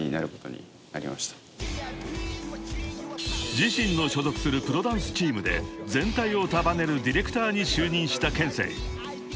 ［自身の所属するプロダンスチームで全体を束ねるディレクターに就任したＫＥＮＳＥＩ］